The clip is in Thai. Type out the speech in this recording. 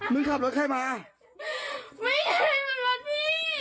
มึงขับรถใครมาไม่ใช่รถพี่